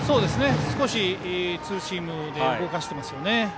少しツーシームで動かしていますね。